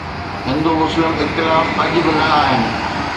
هندو مسلم اختلاف اڄ به نه آهن.